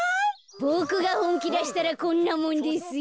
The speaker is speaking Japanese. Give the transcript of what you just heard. ボクがほんきだしたらこんなもんですよ。